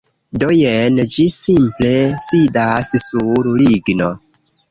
Do, jen ĝi simple sidas sur ligno